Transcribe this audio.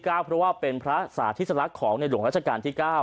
เพราะว่าเป็นพระสาธิสลักษณ์ของในหลวงราชการที่๙